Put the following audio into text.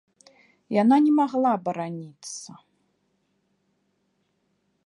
Яна не магла бараніцца.